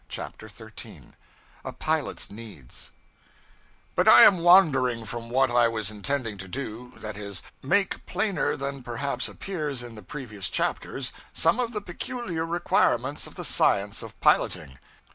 CHAPTER 13 A Pilot's Needs BUT I am wandering from what I was intending to do, that is, make plainer than perhaps appears in the previous chapters, some of the peculiar requirements of the science of piloting.